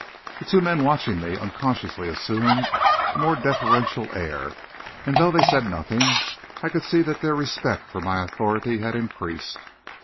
The two men watching me unconsciously assumed a more deferential air, and, though they said nothing, I could see that their respect for my authority had increased.